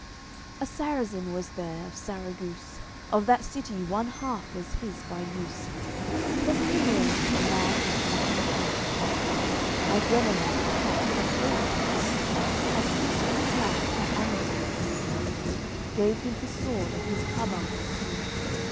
AOI. CXIV A Sarrazin was there, of Sarraguce, Of that city one half was his by use, 'Twas Climborins, a man was nothing proof; By Guenelun the count an oath he took, And kissed his mouth in amity and truth, Gave him his sword and his carbuncle too.